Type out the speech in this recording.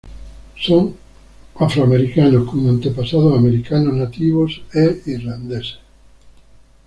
Son afroamericanos, con antepasados americanos nativos e irlandeses.